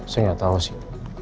saya gak tau sih